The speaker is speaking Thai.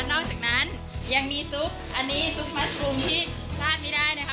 เพราะฉะนั้นยังมีซุปอันนี้ซุปมัชรูมที่ทราบไม่ได้นะคะ